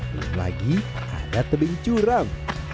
belum lagi ada tebing curam